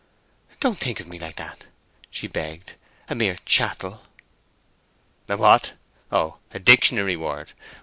"Don't think of me like that!" she begged. "A mere chattel." "A what? Oh, a dictionary word.